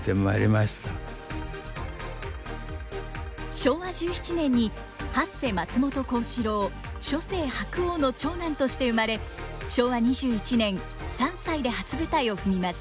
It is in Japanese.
昭和１７年に八世松本幸四郎初世白鸚の長男として生まれ昭和２１年３歳で初舞台を踏みます。